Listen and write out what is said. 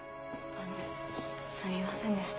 あのすみませんでした。